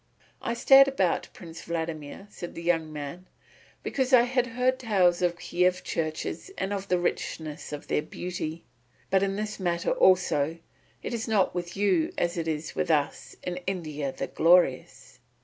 "I stared about, Prince Vladimir," said the young man, "because I had heard tales of Kiev churches and of the richness of their beauty. But in this matter also, it is not with you as it is with us in India the Glorious.